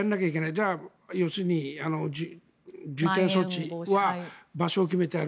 じゃあ、要するに重点措置は場所を決めてやる。